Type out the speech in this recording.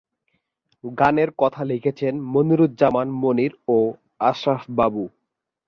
গানের কথা লিখেছেন মনিরুজ্জামান মনির ও আশরাফ বাবু।